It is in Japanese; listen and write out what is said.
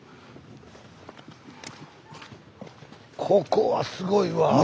ここはすごいわ！